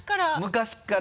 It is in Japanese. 昔から。